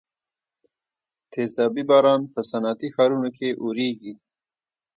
تیزابي باران په صنعتي ښارونو کې اوریږي.